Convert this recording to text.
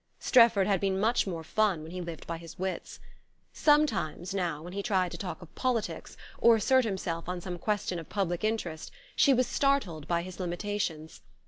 Strefford had been much more fun when he lived by his wits. Sometimes, now, when he tried to talk of politics, or assert himself on some question of public interest, she was startled by his limitations.